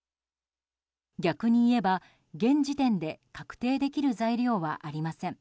逆に言えば、現時点で確定できる材料はありません。